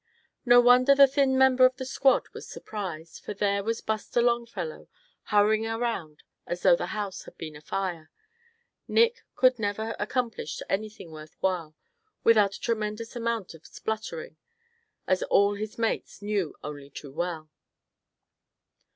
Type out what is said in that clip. No wonder the thin member of the squad was surprised, for there was Buster Longfellow hurrying around as though the house had been afire. Nick could never accomplish anything worth while without a tremendous amount of spluttering; as all his mates knew only too well.